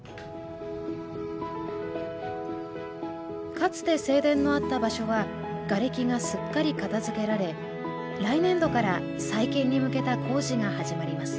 かつて正殿のあった場所はがれきがすっかり片づけられ来年度から再建に向けた工事が始まります